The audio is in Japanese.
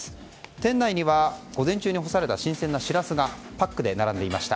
店内には午前中に干された新鮮なシラスがパックで並んでいました。